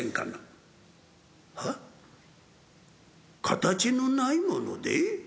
形のないもので？」。